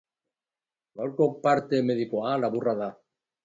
Gaurko parte medikoa laburra da.